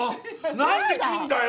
何で切んだよ！